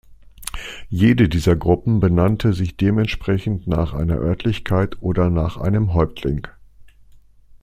Jede dieser Gruppen benannte sich dementsprechend nach einer Örtlichkeit oder nach einem Häuptling.